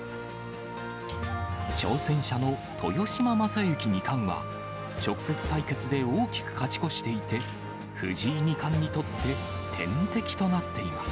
挑戦者の豊島将之二冠は、直接対決で大きく勝ち越していて、藤井二冠にとって天敵となっています。